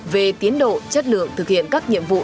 về tiến độ chất lượng thực hiện các nhiệm vụ